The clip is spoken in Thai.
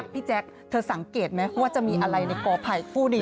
พี่แจ๊คเธอสังเกตไหมว่าจะมีอะไรในกอภัยคู่นี้